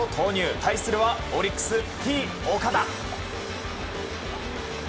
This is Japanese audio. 対するはオリックス、Ｔ‐岡田。